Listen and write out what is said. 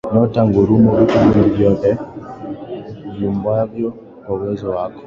Nyota, ngurumo, vitu vingi vyote viumbwavyo kwa uwezo wako